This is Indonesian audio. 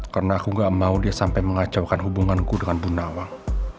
karena aku gak mau dia sampai mengacaukan hubunganku dengan bu nawang